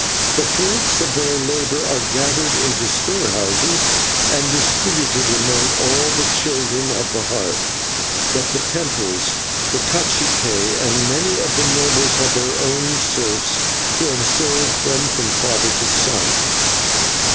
The fruits of their labour are gathered into storehouses and distributed among all the Children of the Heart, but the temples, the /cacique/, and many of the nobles have their own serfs who have served them from father to son."